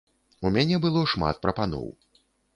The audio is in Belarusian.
У мяне было шмат прапаноў.